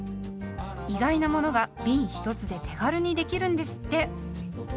意外なものがびん１つで手軽にできるんですって。